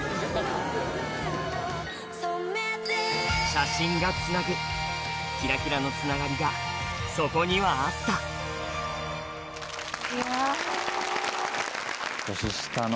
写真がつなぐキラキラのつながりがそこにはあったいや。